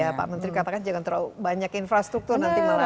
ya pak menteri katakan jangan terlalu banyak infrastruktur nanti malah